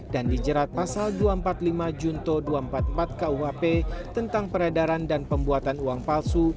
dan dijerat pasal dua ratus empat puluh lima junto dua ratus empat puluh empat kuap tentang peredaran dan pembuatan uang palsu